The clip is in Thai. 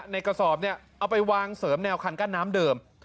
ในกระสอบเนี่ยเอาไปวางเสริมแนวคันกั้นน้ำเดิม